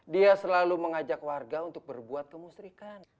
dia selalu mengajak warga untuk berbuat kemusrikan